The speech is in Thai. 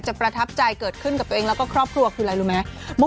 ประทับใจเกิดขึ้นกับตัวเองแล้วก็ครอบครัวคืออะไรรู้ไหม